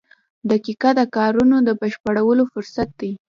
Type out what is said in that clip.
• دقیقه د کارونو د بشپړولو فرصت دی.